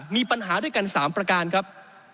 มีปัญหาด้วยกัน๓ประการครับ